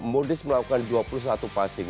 modric melakukan dua puluh satu passing